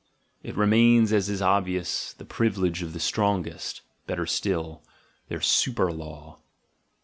it remains, as is obvious, the privi lege of the strongest, better still, their super law.